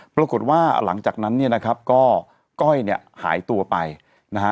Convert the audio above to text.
ปรากฏว่าหลังจากนั้นเนี่ยนะครับก็ก้อยเนี่ยหายตัวไปนะฮะ